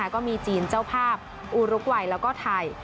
ก็มีจีนเจ้าภาพอูรุกวัยแล้วก็ไทย